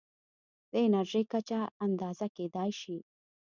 د انرژۍ کچه اندازه کېدای شي.